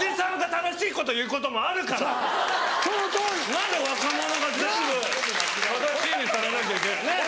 何で若者が全部正しいにされなきゃいけない。